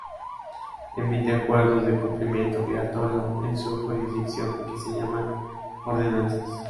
Emite acuerdos de cumplimiento obligatorio en su jurisdicción, que se llaman Ordenanzas.